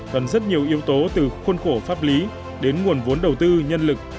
cần rất nhiều yếu tố từ khuôn khổ pháp lý đến nguồn vốn đầu tư nhân lực